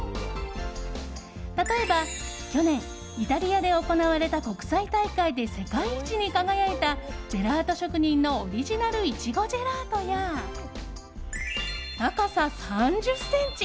例えば、去年イタリアで行われた国際大会で世界一に輝いたジェラート職人のオリジナルイチゴジェラートや高さ３０ｃｍ。